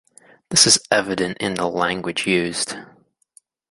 This is evident in the language used.